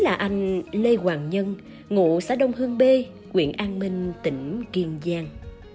là anh lê hoàng nhân ngụ xã đông hương b quyện an minh tỉnh kiên giang